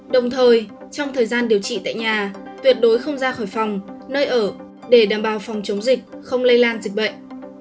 đồng thời trong thời gian điều trị tại nhà tuyệt đối không ra khỏi phòng nơi ở để đảm bảo phòng chống dịch không lây lan dịch bệnh